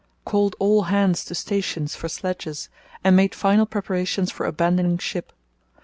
—Called all hands to stations for sledges, and made final preparations for abandoning ship.